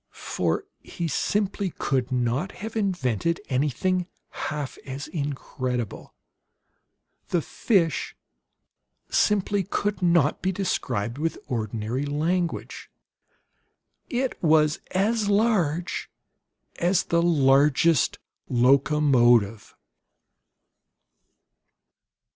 For he simply could not have invented anything half as incredible. The fish simply could not be described with ordinary language. IT WAS AS LARGE AS THE LARGEST LOCOMOTIVE.